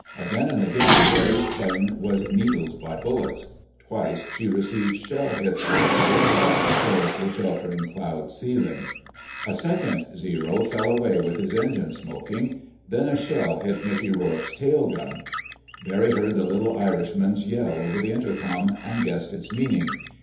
Again and again Barry's plane was needled by bullets. Twice she received shell hits as she roared up toward the sheltering cloud ceiling. A second Zero fell away with his engine smoking. Then a shell hit Mickey Rourke's tail gun. Barry heard the little Irishman's yell over the intercom, and guessed its meaning.